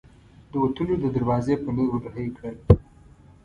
د وتلو د دراوزې په لور ور هۍ کړل.